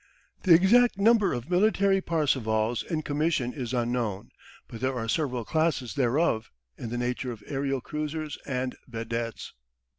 The exact number of military Parsevals in commission is unknown, but there are several classes thereof, in the nature of aerial cruisers and vedettes.